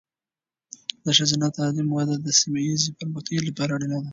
د ښځینه تعلیم وده د سیمه ایزې پرمختیا لپاره اړینه ده.